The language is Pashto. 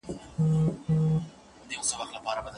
د خاوند سره څرنګه سلوک پکار دی؟